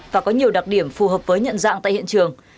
và có nhiều đặc điểm phù hợp với nhận dạng tại hiện trường